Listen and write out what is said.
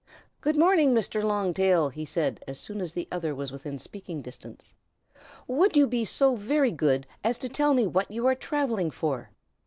"Good morning, Mr. Long Tail!" he said as soon as the other was within speaking distance. "Would you be so very good as to tell me what you are travelling for?"